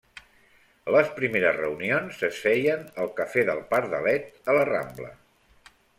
Les primeres reunions es feien al Café del Pardalet a la Rambla.